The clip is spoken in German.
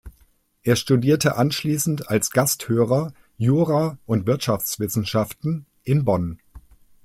Er studierte anschließend als Gasthörer Jura und Wirtschaftswissenschaften in Bonn.